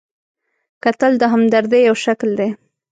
کتل د همدردۍ یو شکل دی